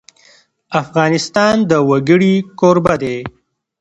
افغانستان د وګړي کوربه دی.